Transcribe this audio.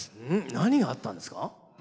何があったんですか？